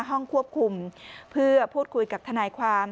ห้องควบคุมเพื่อพูดคุยกับทนายความ